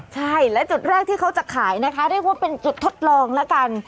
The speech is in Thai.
ใช่และจุดแรกที่เขาจะขายนะคะเรียกว่าเป็นจุดทดลองแล้วกัน